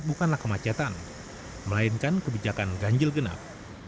bukanlah kemacetan melainkan kebijakan ganjil genap